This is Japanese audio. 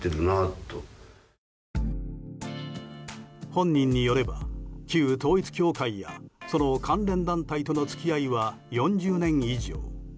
本人によれば旧統一教会やその関連団体との付き合いは４０年以上。